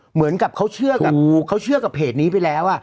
เหมือนกับเขาเชื่อกับเขาเชื่อกับเพจนี้ไปแล้ว